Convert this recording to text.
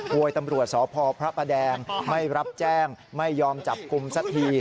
วยตำรวจสพพระประแดงไม่รับแจ้งไม่ยอมจับกลุ่มสักที